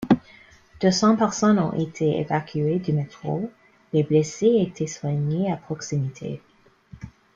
Deux cents personnes ont été évacuées du métro, les blessés étaient soignés à proximité.